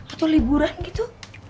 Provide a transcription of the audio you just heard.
atau liburan gitu